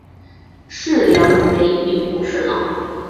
事梁为礼部侍郎。